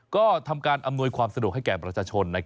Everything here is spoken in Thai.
ก็ทำการอำนวยความสะดวกให้แก่ประชาชน